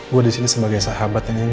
gue disini sebagai sahabat yang